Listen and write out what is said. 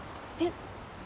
えっ。